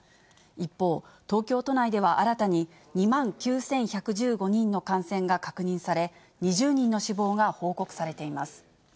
一方、東京都内では新たに２万９１１５人の感染が確認され、２０人の死亡が報告されています。